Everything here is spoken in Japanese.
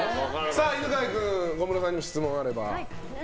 犬飼君、小室さんに何か質問があれば。